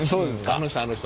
あの人あの人。